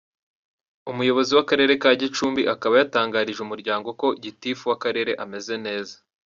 Umuyobozi w’Akarere ka Gicumbi akaba yatangarije Umuryango ko Gitifu w’Akarere ameze neza.